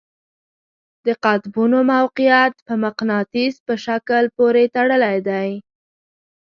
د قطبونو موقیعت په مقناطیس په شکل پورې تړلی دی.